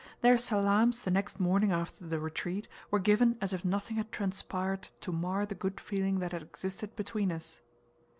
Their "salaams" the next morning after the retreat, were given as if nothing had transpired to mar the good feeling that had existed between us.